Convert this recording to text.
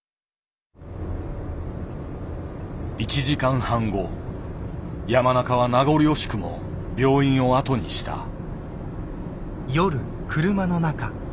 １時間半後山中は名残惜しくも病院を後にした。